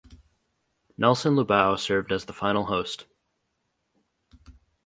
Nelson Lubao served as the final host.